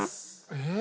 えっ？